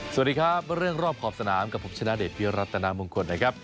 สวัสดีครับเรื่องรอบขอบสนามกับผมชนะเดชพิรัตนามงคลนะครับ